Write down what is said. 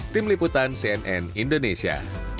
tim liputan cnn indonesia